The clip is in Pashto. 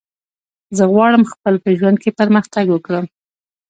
زه غواړم خپل په ژوند کی پرمختګ وکړم